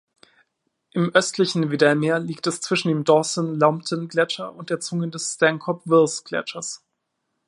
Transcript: Im östlichen Weddell-Meer liegt es zwischen dem Dawson-Lambton-Gletscher und der Zunge des Stancomb-Wills-Gletschers.